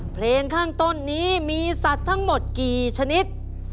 เพลงข้างต้นนี้มีสัตว์ทั้งหมดกี่ชนิด